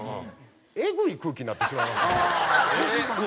えぐい空気になってしまいましてホンマに。